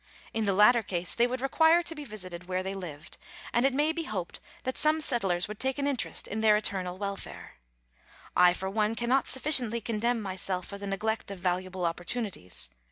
In the latter case they would require to be visited where they lived, and it may be hoped that some settlers would take an interest in their eternal welfare. I, for one, cannot sufficiently condemn myself for the neglect of valuable opportunities.